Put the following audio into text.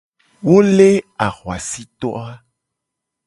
Wo le ahuasito.